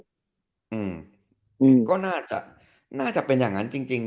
ดีที่สุดก็แน่ก็น่าจะเป็นอย่างนั้นจริง